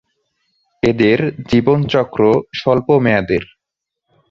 এদের জীবনচক্র স্বল্প মেয়াদের।